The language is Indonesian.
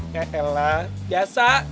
ya elah biasa